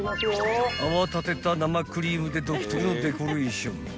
［泡立てた生クリームで独特のデコレーション］